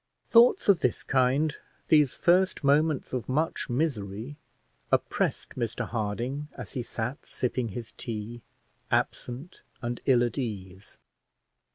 Thoughts of this kind, these first moments of much misery, oppressed Mr Harding as he sat sipping his tea, absent and ill at ease.